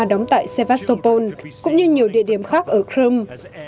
đóng tại sevostompool cũng như nhiều địa điểm khác ở crimea